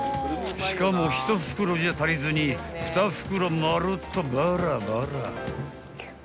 ［しかも１袋じゃ足りずに２袋まるっとバラバラ］